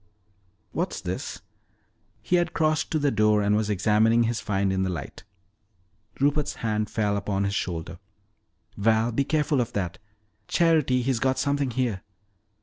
"What's this?" He had crossed to the door and was examining his find in the light. Rupert's hand fell upon his shoulder. "Val, be careful of that. Charity, he's got something here!"